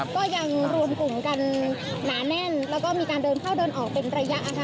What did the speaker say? ก็ยังรวมกลุ่มกันหนาแน่นแล้วก็มีการเดินเข้าเดินออกเป็นระยะนะคะ